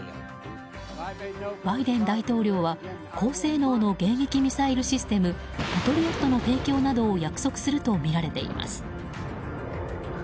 バイデン大統領は高性能の迎撃ミサイルシステムパトリオットの提供などを約束するとみられています。